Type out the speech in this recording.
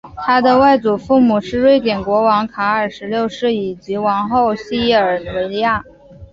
他的外祖父母是瑞典国王卡尔十六世及王后西尔维娅。